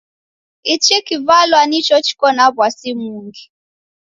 Ichi kivalwa nicho chiko na w'asi mungi.